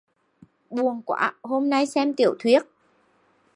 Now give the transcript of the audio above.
Buồn quá hôm nay xem tiểu thuyết